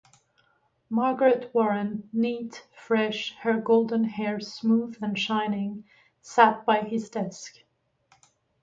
Margaret Warren, neat, fresh, her golden hair smooth and shining, sat by his desk.